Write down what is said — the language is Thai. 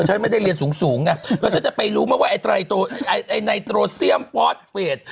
ฉันไม่ได้เรียนสูงไงแล้วฉันจะไปรู้ไหมว่าไอ้ไนโตรเซียมฟอสเฟส